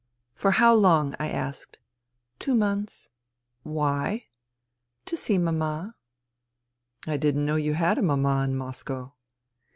" For how long ?" I asked. " Two months." " Why ?"" To see Mama." " I didn't know you had a Mama in Moscow."